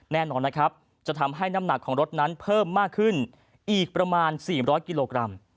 แน่นอนนะครับจะทำให้น้ำหนักของรถนั้นเพิ่มมากขึ้นอีกประมาณ๔๐๐กิโลกรัม